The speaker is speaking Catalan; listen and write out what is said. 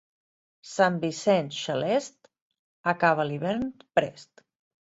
Sant Vicenç xalest, acaba l'hivern prest.